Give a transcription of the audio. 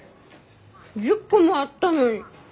１０個もあったのに。